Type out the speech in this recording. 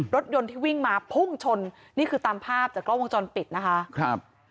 รถยนต์ที่วิ่งมาพุ่งชนนี่คือตามภาพจากกล้องวงจรปิดนะคะครับ